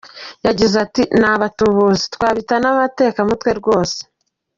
Yagize ati “Ni abatubuzi twabita n’abatekamutwe rwose.